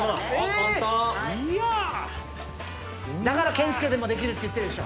・簡単だから健介でもできるって言ってるでしょ